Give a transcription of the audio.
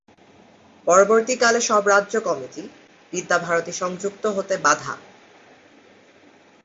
পরবর্তীকালে সব রাজ্য কমিটি, বিদ্যা ভারতী সংযুক্ত হতে বাঁধা।